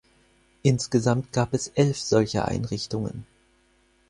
Insgesamt gab es elf solcher Einrichtungen.